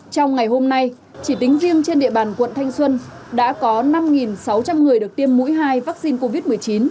trong ngày hôm nay chỉ tính riêng trên địa bàn quận thanh xuân đã có năm sáu trăm linh người được tiêm mũi hai vaccine covid một mươi chín